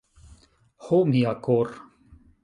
Ho mia kor'